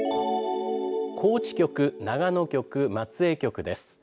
高知局、長野局、松江局です。